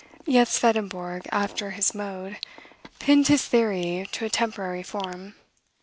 Yet Swedenborg, after his mode, pinned his theory to a temporary form.